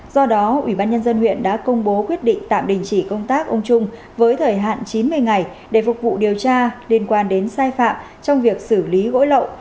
do đó ubnd huyện đã công bố quyết định tạm đình chỉ công tác ông trung với thời hạn chín mươi ngày để phục vụ điều tra liên quan đến sai phạm trong việc xử lý gỗ lậu